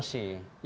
ya maksudnya kursi